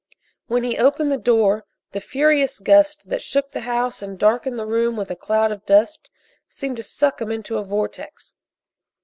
When he opened the door the furious gust that shook the house and darkened the room with a cloud of dust seemed to suck him into a vortex.